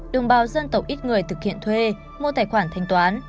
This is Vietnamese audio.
đồng bào dân tộc ít người thực hiện thuê mua tài khoản thanh toán